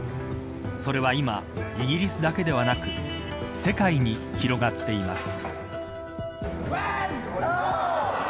それは今、イギリスだけではなく世界に広がっています。